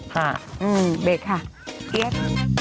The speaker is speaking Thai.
ค่ะอื้อเบรกค่ะเรียก